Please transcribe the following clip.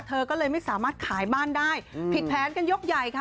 เธอก็เลยไม่สามารถขายบ้านได้ผิดแผนกันยกใหญ่ค่ะ